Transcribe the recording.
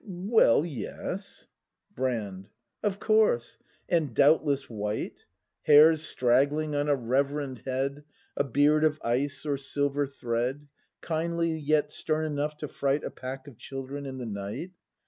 Well, yes Brand. Of course; and, doubtless, white .^ Hairs straggling on a reverend head, A beard of ice or silver thread; Kindly, yet stern enough to fright A pack of children in the night.